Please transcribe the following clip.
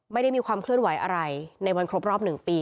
ไม่ได้มีความเคลื่อนไหวอะไรในวันครบรอบ๑ปี